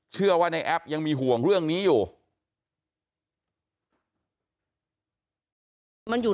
เชื่อว่าในแอปยังมีห่วงเรื่องนี้อยู่